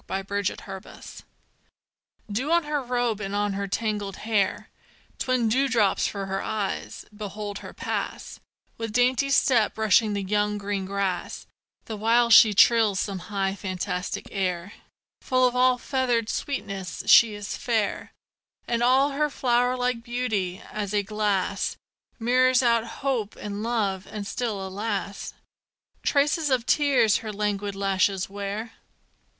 MY LADY APRIL Dew on her robe and on her tangled hair; Twin dewdrops for her eyes; behold her pass, With dainty step brushing the young, green grass, The while she trills some high, fantastic air, Full of all feathered sweetness: she is fair, And all her flower like beauty, as a glass, Mirrors out hope and love: and still, alas! Traces of tears her languid lashes wear.